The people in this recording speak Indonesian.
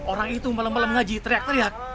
orang itu malam malam ngaji teriak teriak